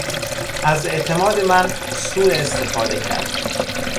از اعتماد من سو استفاده کرد.